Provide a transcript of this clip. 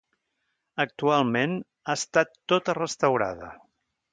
Actualment ha estat tota restaurada.